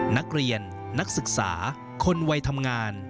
นักเรียนนักศึกษาคนวัยทำงาน